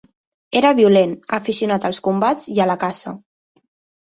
Era violent, aficionat als combats i a la caça.